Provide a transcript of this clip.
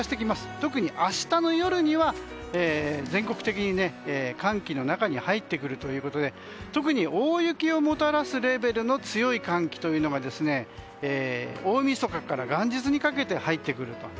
特に明日の夜には、全国的に寒気の中に入ってくるということで特に大雪をもたらすレベルの強い寒気というのが大みそかから元日にかけて入ってくると。